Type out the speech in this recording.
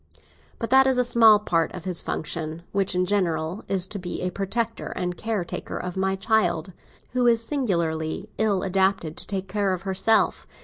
But that is a small part of his function, which, in general, is to be a protector and caretaker of my child, who is singularly ill adapted to take care of herself.